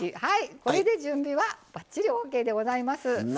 これで準備はばっちりオーケーでございます。